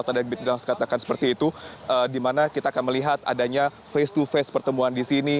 tandai di dalam sekatakan seperti itu dimana kita akan melihat adanya face to face pertemuan di sini